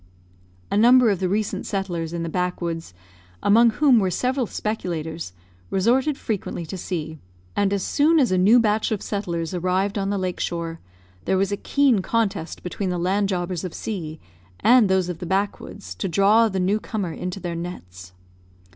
A number of the recent settlers in the backwoods, among whom were several speculators, resorted frequently to C ; and as soon as a new batch of settlers arrived on the lake shore, there was a keen contest between the land jobbers of C and those of the backwoods to draw the new comer into their nets.